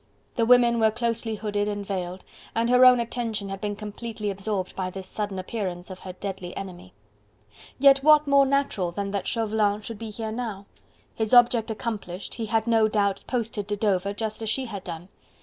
The women were closely hooded and veiled and her own attention had been completely absorbed by this sudden appearance of her deadly enemy. Yet what more natural than that Chauvelin should be here now? His object accomplished, he had no doubt posted to Dover, just as she had done.